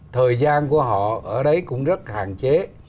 thời gian của họ ở đấy cũng rất hạn chế